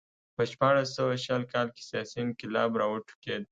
په شپاړس سوه شل کال کې سیاسي انقلاب راوټوکېد.